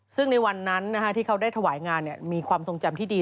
ซึ่งในวันนั้นที่เขาได้ถวายงานมีความทรงจำที่ดี